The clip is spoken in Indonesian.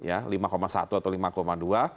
ya lima satu atau lima dua